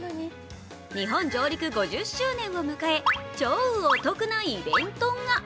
日本上陸５０周年を迎え、超お得なイベントが。